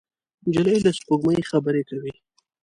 نجلۍ له سپوږمۍ خبرې کوي.